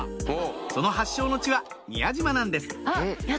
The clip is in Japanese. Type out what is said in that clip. その発祥の地は宮島なんですあっやった。